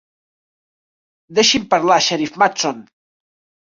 Deixi'm parlar, Sheriff Matson!